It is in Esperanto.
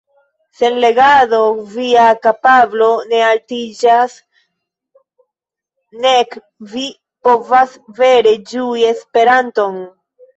Sen legado via kapablo ne altiĝas, nek vi povas vere ĝui Esperanton.